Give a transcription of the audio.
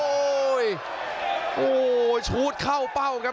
โอ้โหชูดเข้าเป้าครับ